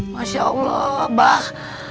masya allah bah